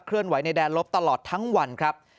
เคลื่อนไหวในแดดลบตลอดทั้งวันครับ